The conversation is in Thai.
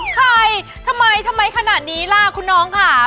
ใครทำไมทำไมขนาดนี้ล่ะคุณน้องค่ะ